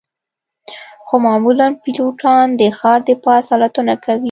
خو معمولاً پیلوټان د ښار د پاسه الوتنه کوي